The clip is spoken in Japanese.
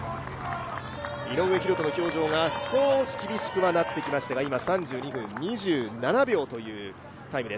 井上大仁の表情が少し厳しくはなってきましたが３２分２７秒というタイムです。